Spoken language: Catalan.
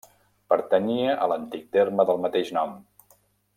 Pertanyia a l'antic terme del mateix nom.